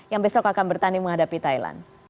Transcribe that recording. yang besok akan bertanding menghadapi thailand